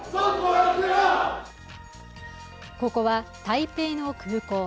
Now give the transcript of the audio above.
ここは台北の空港。